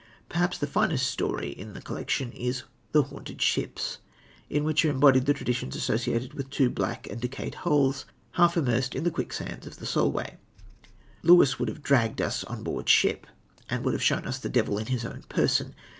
Perhaps the finest story of the collection is The Haunted Ships, in which are embodied the traditions associated with two black and decayed hulls, half immersed in the quicksands of the Solway. Lewis would have dragged us on board ship, and would have shown us the devil in his own person.